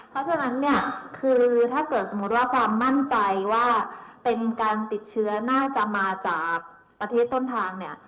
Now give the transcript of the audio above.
เพราะฉะนั้นเนี่ยคือถ้าเกิดสมมุติว่าความมั่นใจว่าเป็นการติดเชื้อน่าจะมาจากประเทศต้นทางเนี่ย